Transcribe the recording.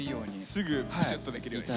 すぐプシュッとできるように。